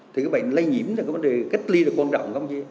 thì các bệnh lây nhiễm là có vấn đề cách ly là quan trọng không chứ